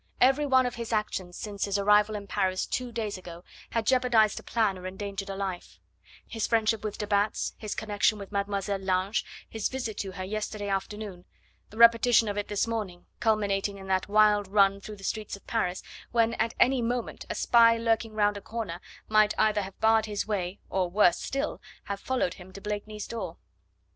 Every one of his actions since his arrival in Paris two days ago had jeopardised a plan or endangered a life: his friendship with de Batz, his connection with Mademoiselle Lange, his visit to her yesterday afternoon, the repetition of it this morning, culminating in that wild run through the streets of Paris, when at any moment a spy lurking round a corner might either have barred his way, or, worse still, have followed him to Blakeney's door.